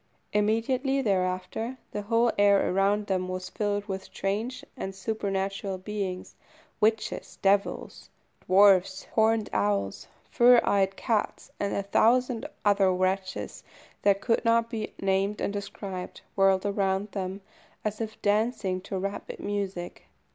Immediately thereafter the whole air around them was filled with strange and supernatural beings witches, devils, dwarfs, horned owls, fire eyed cats, and a thousand other wretches that could not be named and described, whirled around them as if dancing to rapid music.